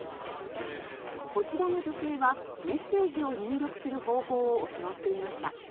こちらの女性はメッセージを入力する方法を教わっていました。